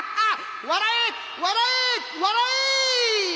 笑え笑え笑えい！」。